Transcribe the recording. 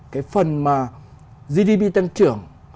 cái phần mà gdp tăng trưởng